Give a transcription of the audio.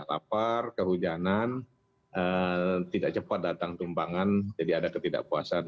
lapar kehujanan tidak cepat datang tumpangan jadi ada ketidakpuasan